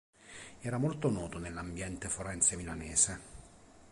Era molto noto nell'ambiente forense milanese.